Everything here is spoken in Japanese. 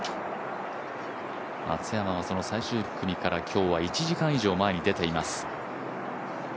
松山は最終組から今日は１時間以上前に出ています。